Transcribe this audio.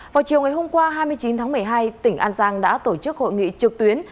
vào chiều ngày hôm qua hai mươi chín tháng một mươi hai tỉnh an giang đã tổ chức hội nghị trực tuyến